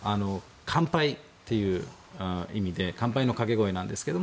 乾杯っていう意味で乾杯のかけ声なんですけど。